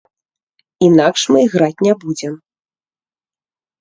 Інакш мы іграць не будзем.